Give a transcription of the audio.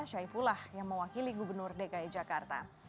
syai pula yang mewakili gubernur dki jakarta